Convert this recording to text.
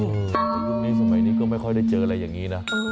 โอ้โหยุคนี้สมัยนี้ก็ไม่ค่อยได้เจออะไรอย่างนี้นะ